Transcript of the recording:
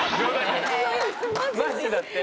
マジだって。